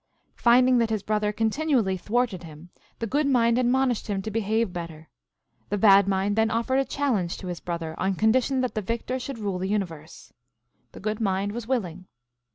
" Finding that his brother continually thwarted him, the Good Mind admonished him to behave bet ter. The Bad Mind then offered a challenge to his brother, on condition that the victor should ride the universe. The Good Mind was willing.